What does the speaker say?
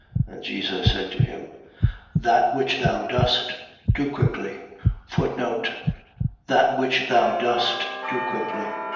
And Jesus said to him: That which thou dost, do quickly. That which thou dost, do quickly.